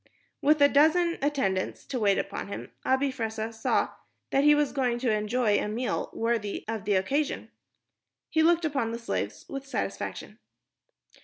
With a dozen attendants to wait upon him, Abi Fressah saw that he was going to enjoy a meal worthy of the occasion. He looked upon the slaves with satisfaction.